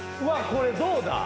これどうだ？